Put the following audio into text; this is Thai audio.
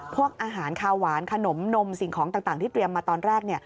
พวกอาหารคาวหวานขนมนมสิ่งของต่างที่เตรียมมาตอนแรก